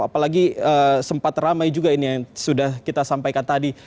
apalagi sempat ramai juga ini yang sudah kita sampaikan tadi